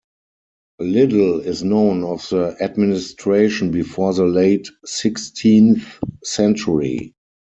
Little is known of the administration before the late sixteenth century.